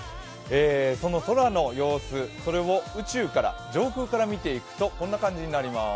その空の様子を宇宙、上空から見ていくとこんな感じになります。